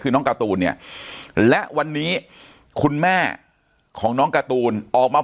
คือน้องการ์ตูนเนี่ยและวันนี้คุณแม่ของน้องการ์ตูนออกมา